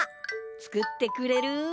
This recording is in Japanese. つくってくれる？